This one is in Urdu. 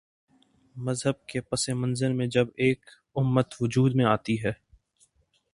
مذہب کے پس منظر میں جب ایک امت وجود میں آتی ہے۔